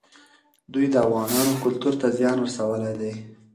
دوی د افغانانو کلتور ته زیان رسولی دی.